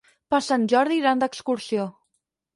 Per Sant Jordi iran d'excursió.